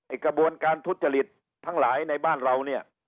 กระบวนการทุจริตทั้งหลายในบ้านเราเนี่ย